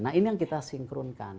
nah ini yang kita sinkronkan